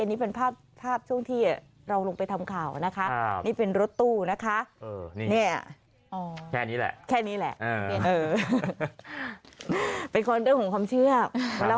อันนี้เป็นภาพช่วงที่เราลงไปทำข่าวนะคะ